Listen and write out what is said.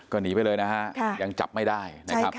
ก็หนีไปเลยนะคะยังจับไม่ได้